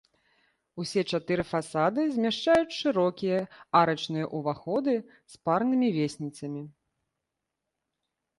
Усе чатыры фасады змяшчаюць шырокія арачныя ўваходы з парнымі весніцамі.